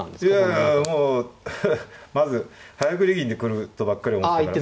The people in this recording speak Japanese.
いやもうまず早繰り銀で来るとばっかり思ってたから。